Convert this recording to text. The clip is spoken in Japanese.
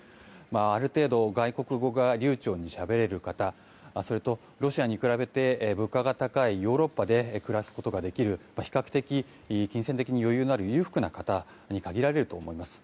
ある程度、外国語が流ちょうにしゃべれる方それと、ロシアに比べて物価が高いヨーロッパで暮らすことができる比較的、金銭的に余裕のある裕福な方に限られると思います。